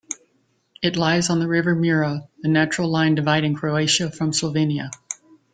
It lies on the river Mura, the natural line dividing Croatia from Slovenia.